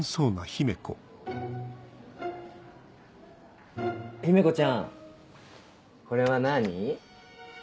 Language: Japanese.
姫子ちゃんこれは何？